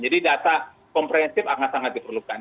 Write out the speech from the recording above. jadi data komprehensif akan sangat diperlukan